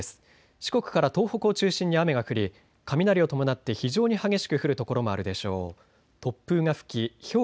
四国から東北を中心に雨が降り雷を伴って非常に激しく降る所もあるでしょう。